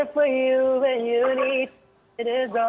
caleb langsung aja